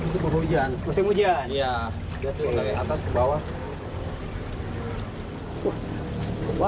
hai itu berhujan musim hujan ya dari atas ke bawah